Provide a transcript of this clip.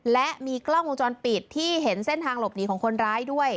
และมีกล้องวงจรปิดที่เห็นเส้นทางหลบหนีของคนร้ายด้วย